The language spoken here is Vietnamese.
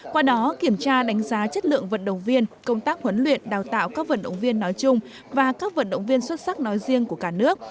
qua đó kiểm tra đánh giá chất lượng vận động viên công tác huấn luyện đào tạo các vận động viên nói chung và các vận động viên xuất sắc nói riêng của cả nước